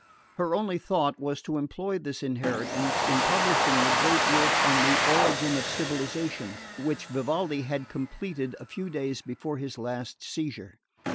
Her only thought was to employ this inheritance in publishing the great work on the origin of civilisation which Vivaldi had completed a few days before his last seizure.